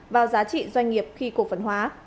vào giá trị doanh nghiệp khi cổ phân hóa